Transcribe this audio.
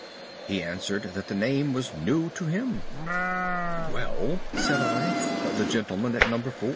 He answered that the name was new to him. "'Well,' said I, 'the gentleman at No. 4.